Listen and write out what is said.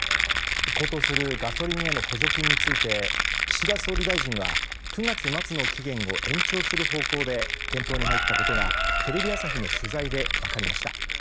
高騰するガソリンへの補助金について岸田総理大臣は９月末の期限を延長する方向で検討に入ったことがテレビ朝日の取材で分かりました。